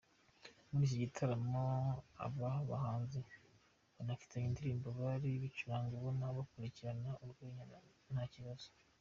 Muri iki gitaramo aba bahanzi banafitanye indirimbo bari bicaranye ubona bakurikirana urwenya nta kibazo.